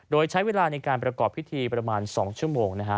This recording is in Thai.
โดยใช้เวลาในการประกอบพิธีประมาณ๒ชั่วโมงนะฮะ